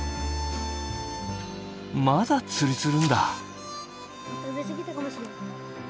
まだ釣りするんだ！